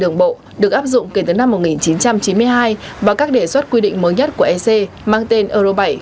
đường bộ được áp dụng kể từ năm một nghìn chín trăm chín mươi hai và các đề xuất quy định mới nhất của ec mang tên euro bảy